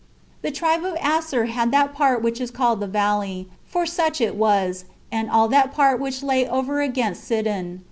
The tribe of Aser had that part which was called the Valley, for such it was, and all that part which lay over against Sidon.